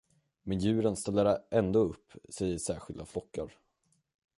Men djuren ställer ändå upp sig i särskilda flockar.